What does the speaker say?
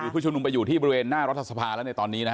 ผู้ชุมนุมไปอยู่ที่บริเวณหน้ารัฐสภาแล้วในตอนนี้นะฮะ